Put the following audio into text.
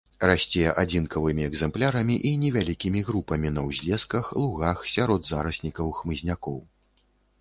Расце адзінкавымі экземплярамі і невялікімі групамі на ўзлесках, лугах, сярод зараснікаў хмызнякоў.